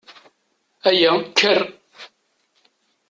Aya! Kker!